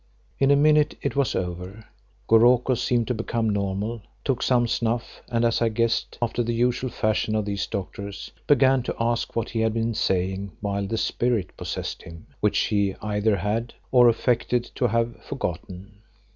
In a minute it was over; Goroko seemed to become normal, took some snuff and as I guessed, after the usual fashion of these doctors, began to ask what he had been saying while the "Spirit" possessed him, which he either had, or affected to have, forgotten.